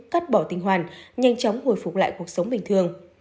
cắt bỏ tình hoàn nhanh chóng hồi phục lại cuộc sống bình thường